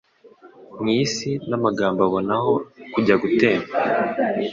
mwIsi n'amagambo abona aho kujya gutemba